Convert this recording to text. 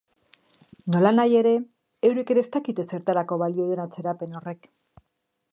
Nolanahi ere, eurek ere ez dakite zertarako balio duen atzerapen horrek.